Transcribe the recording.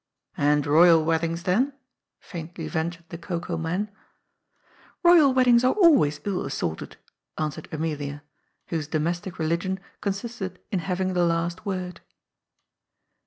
'*" And royal weddings, then ?" faintly ventured the cocoa man. ''Boyal weddings are always ill assorted," answered Amelia, whose domestic religion consisted in having the last word.